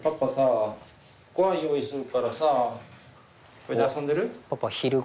これで遊んでる？